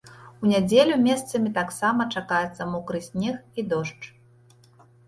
У нядзелю месцамі таксама чакаюцца мокры снег і дождж.